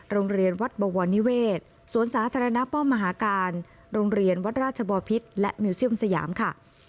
โรงเรียนวัดบวรนิเวศสวนสาธารณะป้อมมหาการโรงเรียนวัดราชบอพิษและมิวเซียมสยามค่ะ